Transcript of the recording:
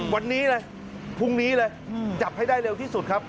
วันนี้เลยพรุ่งนี้เลยจับให้ได้เร็วที่สุดครับ